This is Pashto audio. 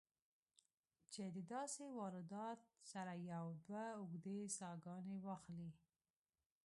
چې د داسې واردات سره يو دوه اوږدې ساهګانې واخلې